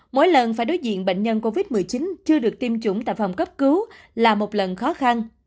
mỗi lần phải đối diện bệnh nhân covid một mươi chín chưa được tiêm chủng tại phòng cấp cứu là một lần khó khăn